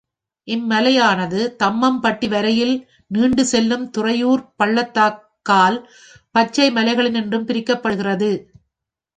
இம் மலையானது, தம்மம்பட்டி வரையில் நீண்டு செல்லும் துறையூர்ப் பள்ளத்தாக்கால் பச்சை மலைகளினின்றும் பிரிக்கப்படுகிறது.